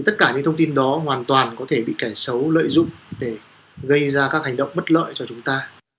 tất cả những thông tin đó hoàn toàn có thể bị kẻ xấu lợi dụng để gây ra các hành động bất lợi cho chúng ta